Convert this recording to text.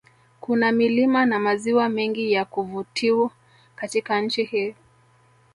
Kuna milima na maziwa mengi ya kuvutiw Katika nchi hii